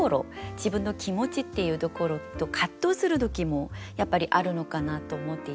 自分の気持ちっていうところと葛藤する時もやっぱりあるのかなと思っていて。